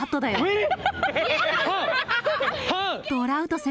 えっ？